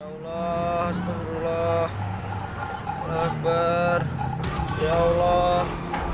ya allah astagfirullah alhamdulillah ya allah